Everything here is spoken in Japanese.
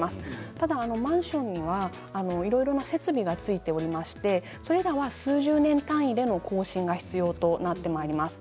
ただマンションにはいろいろな設備がついておりましてそれらは数十年単位で更新が必要となっていきます。